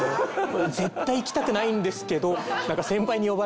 絶対行きたくないんですけど。